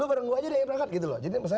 lo bareng gue aja deh yang berangkat gitu loh